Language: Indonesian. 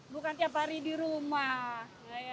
bukan tiap hari di rumah